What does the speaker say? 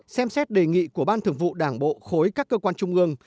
xem xét đề nghị của ban thường vụ đảng bộ khối các cơ quan trung ương